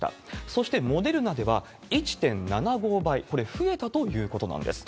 そして、モデルナでは１．７５倍、これ、増えたということなんです。